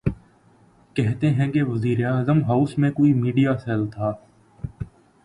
کہتے ہیں کہ وزیراعظم ہاؤس میں کوئی میڈیا سیل تھا۔